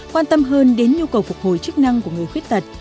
quan tâm hơn đến nhu cầu phục hồi chức năng của người khuyết tật